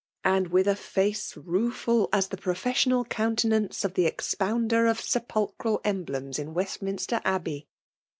— and with a face ruefel as the professional countenance of the expawBkdnt of sepulchral emblems in West^ liiittster Abbey